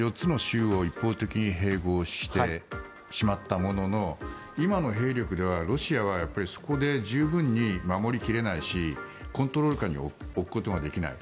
４つの州を一方的に併合してしまったものの今の兵力ではロシアはそこで十分に守り切れないしコントロール下に置くことができない。